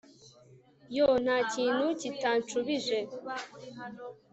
Yoo ntakintu kitashubije